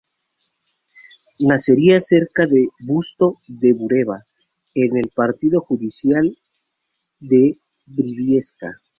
Nacería cerca de Busto de Bureba, en el partido judicial de Briviesca.